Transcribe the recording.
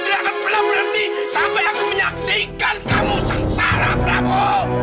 ternyata orang berhenti sampai aku menyaksikan kamu sang salah prabu